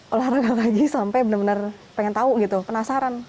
olahraga lagi sampai benar benar pengen tahu gitu penasaran